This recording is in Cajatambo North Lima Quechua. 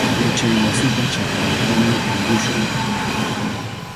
Yachaywasipa chakrantami murushun.